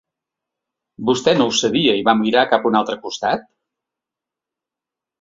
Vostè no ho sabia i va mirar cap a un altre costat?